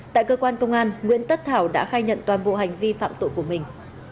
tại cơ quan công an nguyễn tất thảo đã khai nhận toàn bộ hành vi phạm tội của mình